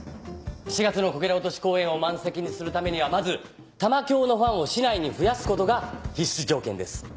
４月のこけら落とし公演を満席にするためにはまず玉響のファンを市内に増やすことが必須条件です。